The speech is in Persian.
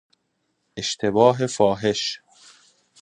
اشتباه فاحش